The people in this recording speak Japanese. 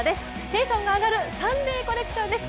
テンションが上がるサンデーコレクションです。